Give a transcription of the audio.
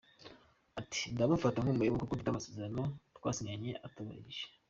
Ati “Ndamufata nk’umuhemu kuko mfite amasezerano twasinyanye atubahirije.